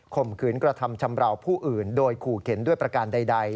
มขืนกระทำชำราวผู้อื่นโดยขู่เข็นด้วยประการใด